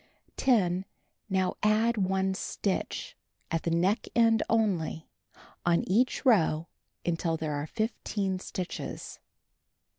10. Now add 1 stitch, at the neck end only, on each row until there are 15 stitches.